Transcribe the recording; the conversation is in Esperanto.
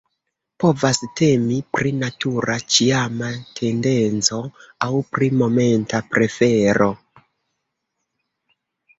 Povas temi pri natura, ĉiama tendenco aŭ pri momenta prefero.